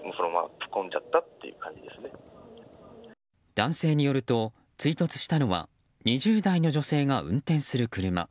男性によると、追突したのは２０代の女性が運転する車。